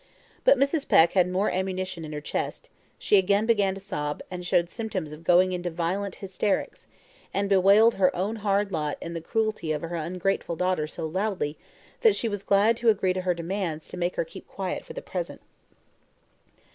But Mrs. Peck had more ammunition in her chest; she again began to sob, and showed symptoms of going into violent hysterics, and bewailed her own hard lot and the cruelty of her ungrateful daughter so loudly, that she was glad to agree to her demands to make her keep quiet for the present.